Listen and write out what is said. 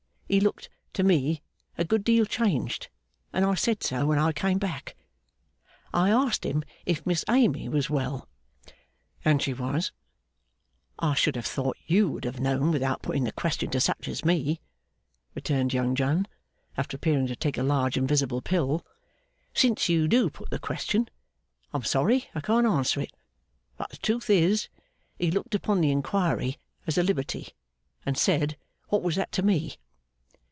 He looked, to me, a good deal changed, and I said so when I came back. I asked him if Miss Amy was well ' 'And she was?' 'I should have thought you would have known without putting the question to such as me,' returned Young John, after appearing to take a large invisible pill. 'Since you do put me the question, I am sorry I can't answer it. But the truth is, he looked upon the inquiry as a liberty, and said, "What was that to me?"